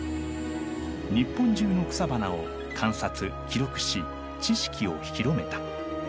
日本中の草花を観察記録し知識を広めた。